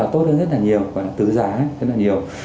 tốt hơn rất là nhiều tứ giá rất là nhiều